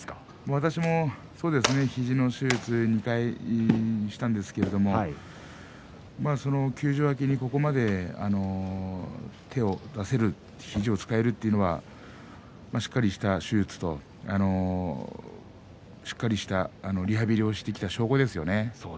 私は肘の手術を２回しましたが休場明けにここまで手を出せる肘を使えるというのはしっかりした手術とリハビリをしてきた証拠ですね。